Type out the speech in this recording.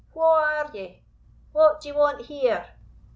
"Wha are ye? what d'ye want here?"